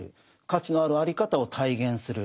価値のあるあり方を体現する。